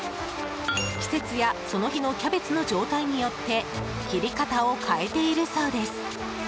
季節やその日のキャベツの状態によって切り方を変えているそうです。